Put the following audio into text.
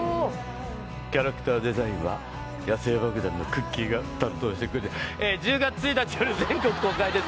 キャラクターデザインは野性爆弾のくっきー！が担当してくれてえ１０月１日より全国公開です